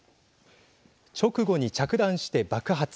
直後に着弾して爆発。